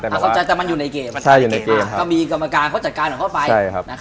แต่มันอยู่ในเกมมีกรรมการเขาจัดการเข้าไป